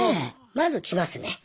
まず来ますね。